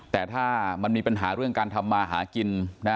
แต่ถ้ามันมีปัญหาเรื่องการทำมาหากินนะ